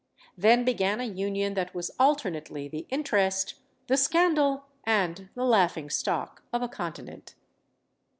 Then began a union that was alternately the interest, the scandal, and the laughing stock of a continent.